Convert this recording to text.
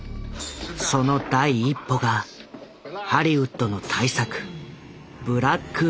その第一歩がハリウッドの大作「ブラック・レイン」だった。